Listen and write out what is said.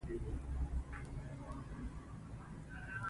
دا د یو مشر صفت دی.